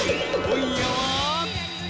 ［今夜は］